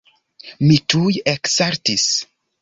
Mi tuj eksaltis.